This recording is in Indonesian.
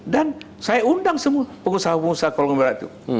dan saya undang semua pengusaha pengusaha kolonial barat itu